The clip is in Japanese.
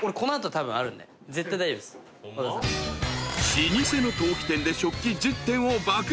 ［老舗の陶器店で食器１０点を爆買い］